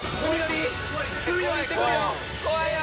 怖いよ！